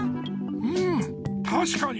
うんたしかに！